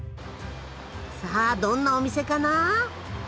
さあどんなお店かな？